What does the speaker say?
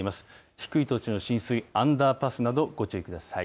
低い土地の浸水、アンダーパスなど、ご注意ください。